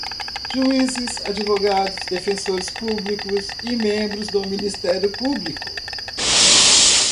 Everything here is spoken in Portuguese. juízes, advogados, defensores públicos e membros do Ministério Público